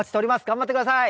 頑張って下さい！